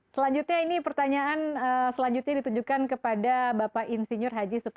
selanjutnya ini pertanyaan selanjutnya ditunjukkan kepada bapak insinyur haji